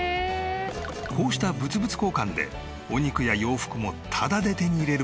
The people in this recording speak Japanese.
こうした物々交換でお肉や洋服もタダで手に入れる事ができる。